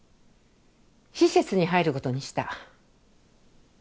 施設に入ることにした。